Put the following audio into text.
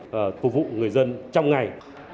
và phục vụ người dân trong ngày